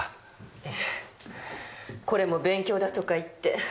ええこれも勉強だとか言って。